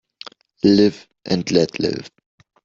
Live and let live